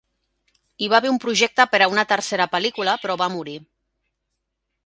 Hi va haver un projecte per a una tercera pel·lícula, però va morir.